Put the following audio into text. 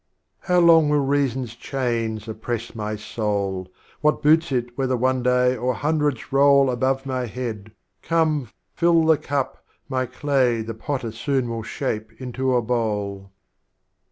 How Long will Reason's Chains oppress my Soul? What boots it whether One Day or Hundreds roll Above my Head, come fill the Cup, My Clay The Potter soon will shspe into a Bowl.